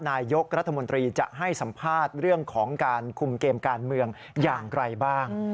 นายกรัฐมนตรีจะให้สัมภาษณ์เรื่องของการคุมเกมการเมืองอย่างไรบ้าง